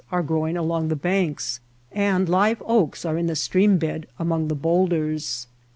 are growing along the banks, and live oaks are in the stream bed among the bowlders.